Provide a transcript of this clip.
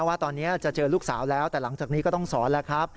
ว่าตอนนี้จะเจอลูกสาวแล้วแต่หลังจากนี้ก็ต้องสอนแล้วครับ